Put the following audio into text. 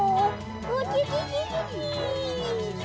ウキキキ！